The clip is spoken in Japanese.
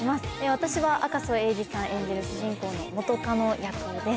私は赤楚衛二さん演じる主人公の元カノ役です。